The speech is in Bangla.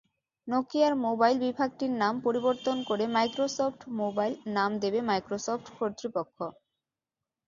নকিয়ার মোবাইল বিভাগটির নাম পরিবর্তন করে মাইক্রোসফট মোবাইল নাম দেবে মাইক্রোসফট কর্তৃপক্ষ।